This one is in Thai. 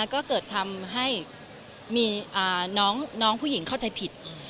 ก็เกิดทำให้มีน้องผู้หญิงเข้าใจผิด